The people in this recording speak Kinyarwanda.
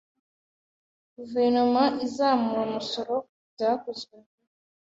Guverinoma izamura umusoro ku byaguzwe vuba?